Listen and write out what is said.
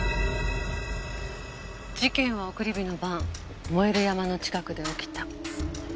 事件は送り火の晩燃える山の近くで起きた。